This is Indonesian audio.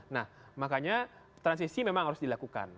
nah makanya transisi memang harus dilakukan